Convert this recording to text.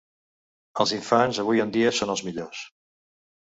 Els infants avui en dia són els millors.